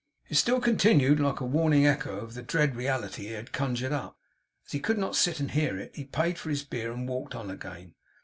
It still continued; like a warning echo of the dread reality he had conjured up. As he could not sit and hear it, he paid for his beer and walked on again.